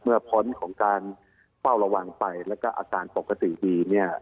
พ้นของการเฝ้าระวังไปแล้วก็อาการปกติดีเนี่ย